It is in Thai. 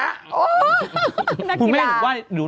นักกีฬาคุณแม่หรือว่าหรือ